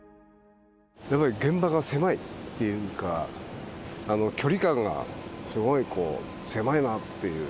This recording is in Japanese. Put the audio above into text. やっぱり現場が狭いっていうか、距離感がすごい狭いなっていう。